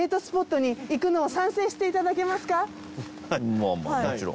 スポットに行くのを賛成していただけますか？